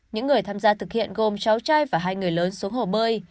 những người tham gia thực hiện gồm cháu trai và hai người lớn xuống hồ bơi